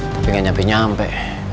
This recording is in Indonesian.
tapi gak nyampe nyampe